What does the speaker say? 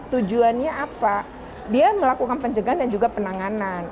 tujuannya apa dia melakukan pencegahan dan juga penanganan